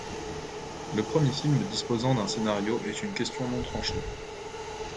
Le premier film disposant d'un scénario est une question non tranchée.